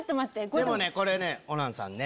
でもねこれねホランさんね。